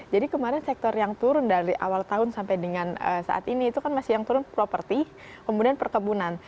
jadi kemarin sektor yang turun dari awal tahun sampai dengan saat ini itu kan masih yang turun properti kemudian perkebunan